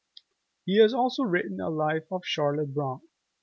He has also written a life of Charlotte Brontë.